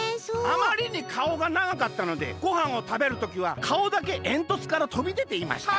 「あまりにかおがながかったのでごはんをたべる時はかおだけえんとつからとびでていました」。